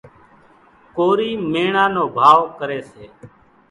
ڪورِي ميڻا نو ڀائو ڪريَ۔